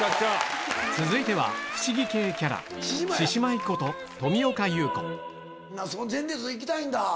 続いては不思議系キャラ前列行きたいんだ。